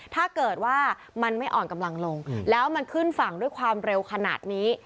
ถ้าเกิดว่ามันไม่อ่อนกำลังลงแล้วมันขึ้นฝั่งด้วยความเร็วขนาดนี้